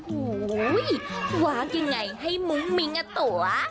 หุ้ยวาสยังไงแล้วให้มึงมิงหนัดตัว